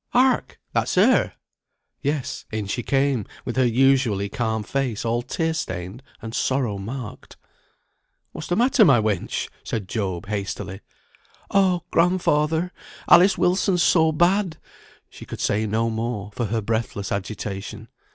Hark! that's her!" Yes; in she came with her usually calm face all tear stained and sorrow marked. "What's the matter, my wench?" said Job, hastily. "Oh! grandfather! Alice Wilson's so bad!" She could say no more, for her breathless agitation.